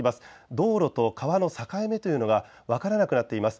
道路と川の境目というのが分からなくなっています。